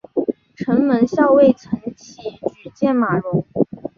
城门校尉岑起举荐马融。